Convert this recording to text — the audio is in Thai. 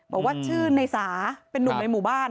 บอกว่าชื่อในสาเป็นนุ่มในหมู่บ้าน